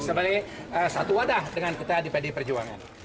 sebagai satu wadah dengan kita di pdi perjuangan